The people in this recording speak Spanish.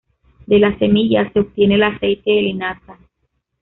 De las semillas se obtiene el aceite de linaza.